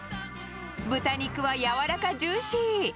豚肉は柔らかジューシー。